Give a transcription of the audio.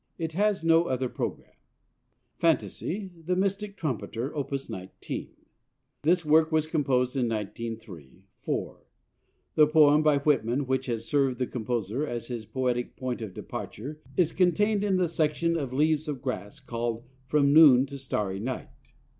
It has no other programme. FANTASY, "THE MYSTIC TRUMPETER": Op. 19 This work was composed in 1903 04. The poem by Whitman which has served the composer as his poetic point of departure is contained in the section of Leaves of Grass called "From Noon to Starry Night."